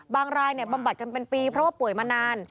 รายบำบัดกันเป็นปีเพราะว่าป่วยมานาน